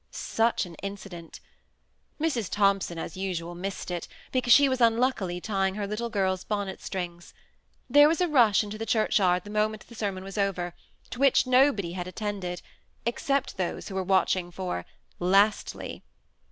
Such an incident I Mrs. Thompson, as usual, missed it, because she was unluckily tying her little girl's* bonnet strings. There was a rush into the church yard the moment the sermon was over, to which nobody had attended, except those who were watching for " Lastly."